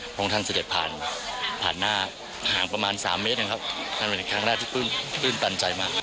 พระองค์ท่านเสด็จผ่านผ่านหน้าห่างประมาณสามเมตรนะครับนั่นเป็นครั้งแรกที่ตื่นตันใจมาก